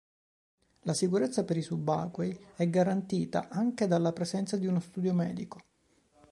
La sicurezza per i subacquei è garantita anche dalla presenza di uno studio medico.